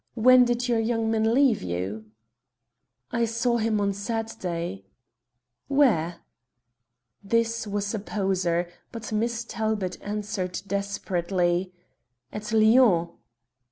When did your young man leave you?" "I saw him on Saturday." "Where?" This was a poser, but Miss Talbot answered desperately: "At Lyon."